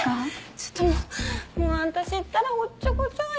ちょっともうもう私ったらおっちょこちょい。